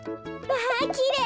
わきれい！